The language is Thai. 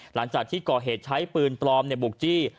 หลังจากที่ก่อเหตุใช้ปืนปลอมบุกจี้